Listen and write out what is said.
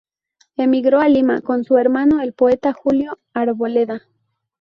Emigró a Lima con su hermano el poeta Julio Arboleda.